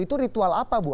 itu ritual apa bu